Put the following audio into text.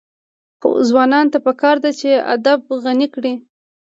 ځوانانو ته پکار ده چې، ادب غني کړي.